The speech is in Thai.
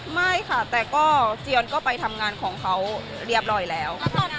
ไม่ค่ะแต่ก็เจียนก็ไปทำงานของเขาเรียบร้อยแล้ว